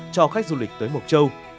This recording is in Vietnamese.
cho khách du lịch tới mục châu